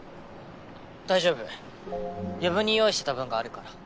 大丈夫余分に用意してた分があるから。